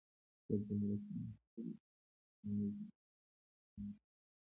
د ګمرکي محصول او ټرانزیټ په اړه مذاکرات کیږي